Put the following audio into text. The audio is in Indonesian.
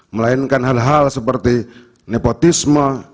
melainkan hal hal seperti nepotisme